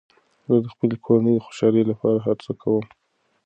زه د خپلې کورنۍ د خوشحالۍ لپاره هر څه کوم.